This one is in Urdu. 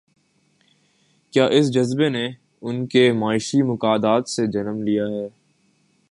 کیا اس جذبے نے ان کے معاشی مفادات سے جنم لیا ہے؟